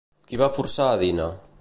Qui va forçar a Dina?